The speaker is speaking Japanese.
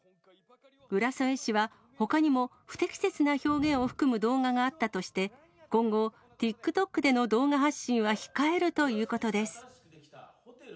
浦添市は、ほかにも不適切な表現を含む動画があったとして、今後、ＴｉｋＴｏｋでの動画発信は控えるということです。